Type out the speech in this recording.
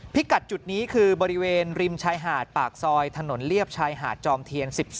จุดนี้คือบริเวณริมชายหาดปากซอยถนนเลียบชายหาดจอมเทียน๑๒